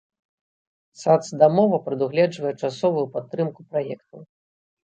Сацдамова прадугледжвае часовую падтрымку праектаў.